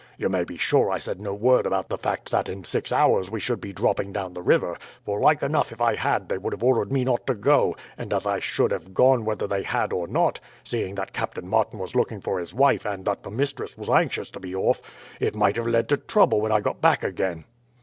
You may be sure I said no word about the fact that in six hours we should be dropping down the river; for like enough if I had they would have ordered me not to go, and as I should have gone whether they had or not seeing that Captain Martin was looking for his wife, and that the mistress was anxious to be off it might have led to trouble when I got back again.